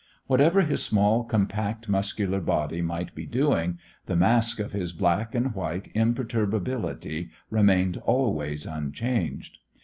Whatever his small, compact, muscular body might be doing, the mask of his black and white imperturbability remained always unchanged.